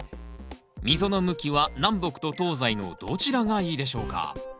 溝の向きは南北と東西のどちらがいいでしょうか？